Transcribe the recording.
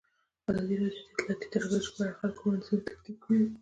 ازادي راډیو د اطلاعاتی تکنالوژي په اړه د خلکو وړاندیزونه ترتیب کړي.